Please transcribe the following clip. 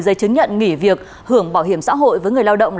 dây chứng nhận nghỉ việc hưởng bảo hiểm xã hội với người lao động là f